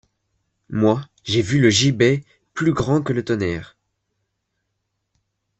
Moi, j’ai vu le gibet plus grand que le tonnerre !